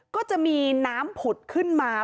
ก็จะมีน้ำผุดขึ้นมา